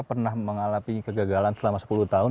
pernah mengalami kegagalan selama sepuluh tahun